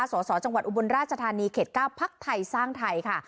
สอสอจังหวัดอุบราชภานีเขตกาภัครังไทยสร้างไทยค่ะ